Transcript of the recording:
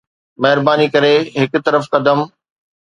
مهرباني ڪري هڪ طرف قدم